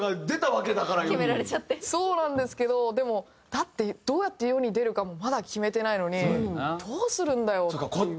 だってどうやって世に出るかもまだ決めてないのにどうするんだよっていう。